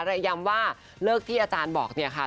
และย้ำว่าเลิกที่อาจารย์บอกเนี่ยค่ะ